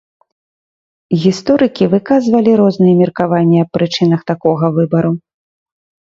Гісторыкі выказвалі розныя меркаванні аб прычынах такога выбару.